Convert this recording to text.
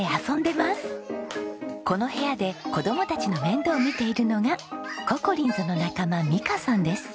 この部屋で子供たちの面倒を見ているのがココリンズの仲間みかさんです。